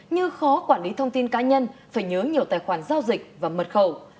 như khó quản lý thông tin cá nhân phải nhớ nhiều tài khoản giao dịch và mật khẩu